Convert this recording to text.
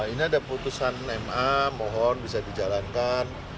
ini ada putusan ma mohon bisa dijalankan